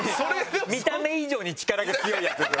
見た目以上に力が強いやつですよね。